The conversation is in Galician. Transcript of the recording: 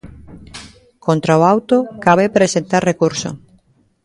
Contra o auto cabe presentar recurso.